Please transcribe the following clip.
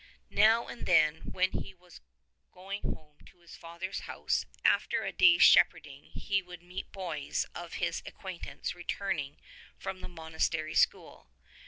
Now and then when he was going home to his father's house after a day's shepherding he would meet boys of his acquaintance returning from the monastery school.